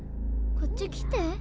こっち来て。